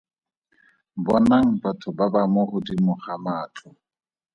Bonang batho ba ba mo godimo ga matlo.